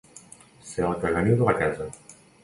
Ser el caganiu de la casa.